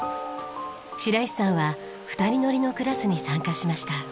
白石さんは２人乗りのクラスに参加しました。